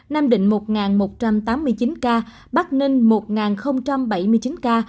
nam định một một trăm tám mươi chín ca bắc ninh một bảy mươi chín ca